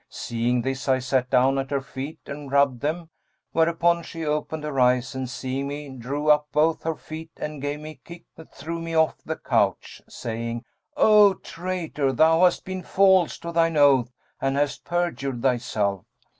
Seeing this I sat down at her feet and rubbed them; whereupon she opened her eyes and seeing me, drew up both her feet and gave me a kick that threw me off the couch,[FN#206] saying, 'O traitor, thou hast been false to thine oath and hast perjured thyself.